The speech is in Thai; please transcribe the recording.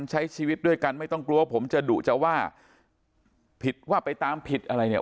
ใช้ชีวิตด้วยกันไม่ต้องกลัวผมจะดุจะว่าผิดว่าไปตามผิดอะไรเนี่ย